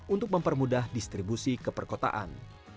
untuk mempermudah distribusi ke perkotaan